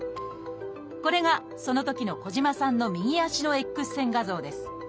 これがそのときの児島さんの右足のＸ線画像です。